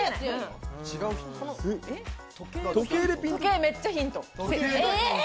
時計、めっちゃヒント。